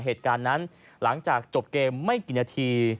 เหตุการณ์นั้นหลังจากจบเกมไม่กี่นาที